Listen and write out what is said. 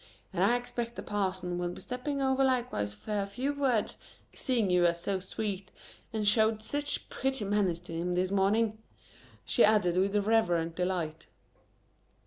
"An' I expects the parson will be stepping over likewise fer a few words, seeing you was so sweet and showed sich pretty manners to him this morning," she added with reverent delight.